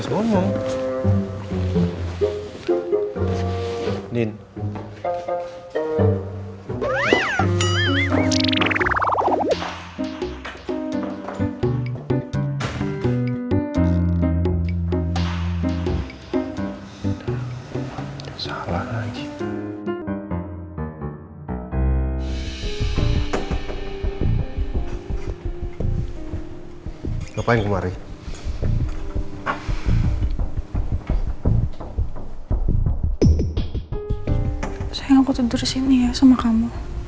sayang aku tidur disini ya sama kamu